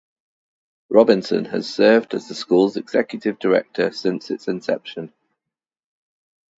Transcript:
Robinson has served as the school's Executive Director since its inception.